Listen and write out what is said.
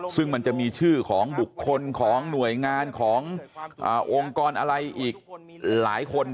ซึ่งมันจะมีชื่อของบุคคลของหน่วยงานขององค์กรอะไรอีกหลายคน